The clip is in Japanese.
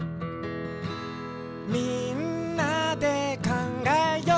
「みんなでかんがえよう」